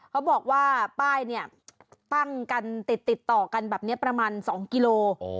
เขาบอกว่าป้ายเนี่ยตั้งกันติดต่อกันแบบนี้ประมาณ๒กิโล